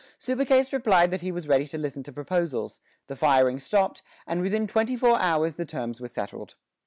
Subercase replied that he was ready to listen to proposals; the firing stopped, and within twenty four hours the terms were settled.